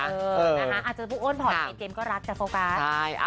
เออนะฮะอาจจะพูดโอ้นพอเจมส์ก็รักจะโฟกัส